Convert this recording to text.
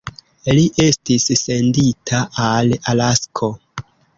Li estis sendita al Alasko.